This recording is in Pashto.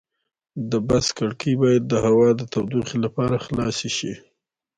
د بس کړکۍ باید د هوا د تودوخې لپاره خلاصې شي.